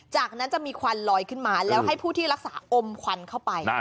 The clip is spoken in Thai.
จากนั้นจะมีควันลอยขึ้นมาแล้วให้ผู้ที่รักษาอมควันเข้าไป